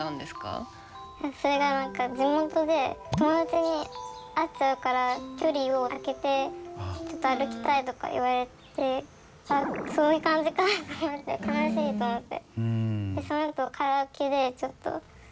それが地元で友達に会っちゃうから距離をあけて歩きたいとか言われてあっそういう感じかと思って悲しいと思って。